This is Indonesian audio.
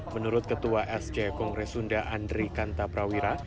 menurut ketua sc kongres sunda andri kanta prawira